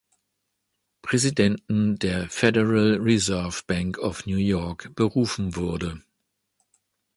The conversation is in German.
Präsidenten der Federal Reserve Bank of New York berufen wurde.